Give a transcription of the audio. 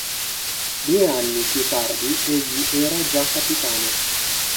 Due anni più tardi egli era già capitano.